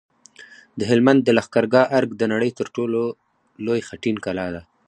د هلمند د لښکرګاه ارک د نړۍ تر ټولو لوی خټین کلا ده